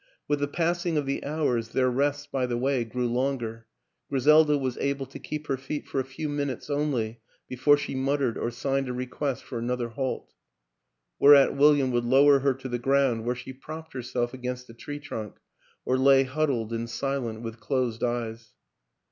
With the passing of the hours their rests by the way grew longer; Griselda was able to keep her feet for a few minutes only before she muttered or signed a request for another halt. Whereat William would lower her to the ground where she propped herself against a tree trunk or lay hud dled and silent with closed eyes.